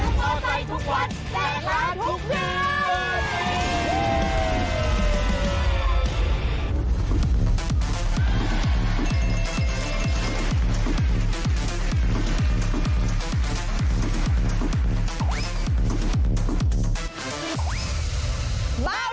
แล้วก็ไปทุกวันแปลกลาทุกวัน